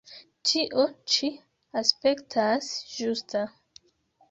Tio ĉi aspektas ĝusta.